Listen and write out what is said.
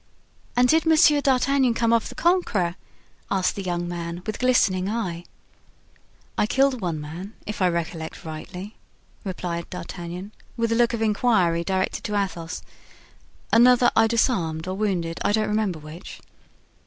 "And did Monsieur D'Artagnan come off the conqueror?" asked the young man, with glistening eye. "I killed one man, if I recollect rightly," replied D'Artagnan, with a look of inquiry directed to Athos; "another I disarmed or wounded, I don't remember which."